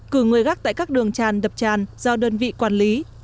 cử người gác tại các đường tràn đập tràn do đơn vị quản lý